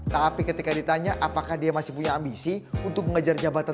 tapi ketika ditanya apakah dia masih punya ambisi untuk mengejar jabatan